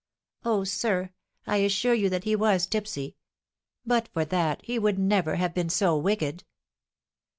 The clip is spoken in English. "Oh, sir, I assure you that he was tipsy; but for that he would never have been so wicked."